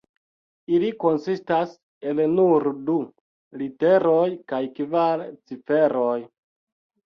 Ili konsistas el nur du literoj kaj kvar ciferoj.